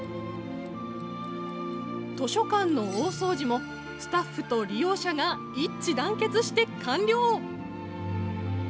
図書館の大掃除も、スタッフと利用者が一致団結して完了。